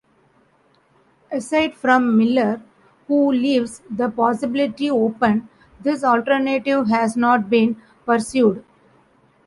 Aside from Miller, who leaves the possibility open, this alternative has not been pursued.